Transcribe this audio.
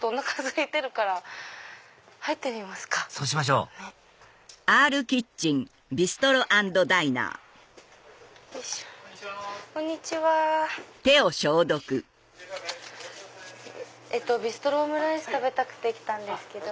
・いらっしゃいませ・ビストロオムライス食べたくて来たんですけど。